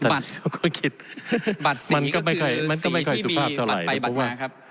บัตรศรีก็ไม่ค่อยสุภาพเท่าไหร่